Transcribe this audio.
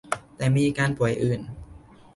แต่มีอาการป่วยอื่น